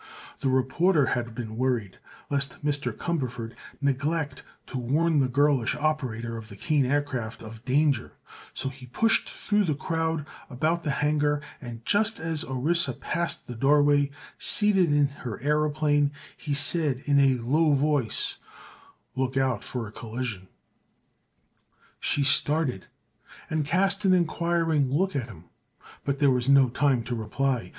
The reporter had been worried lest Mr. Cumberford neglect to warn the girlish operator of the Kane Aircraft of danger; so he pushed through the crowd about the hangar and just as Orissa passed the doorway, seated in her aëroplane, he said in a low voice: "Look out—for a collision!" She started and cast an inquiring look at him, but there was no time to reply.